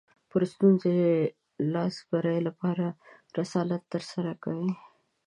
پر ستونزې لاسبري لپاره رسالت ترسره کوي